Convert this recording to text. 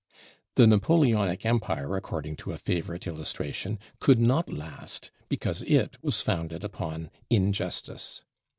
The Napoleonic empire, according to a favorite illustration, could not last because it was founded upon injustice.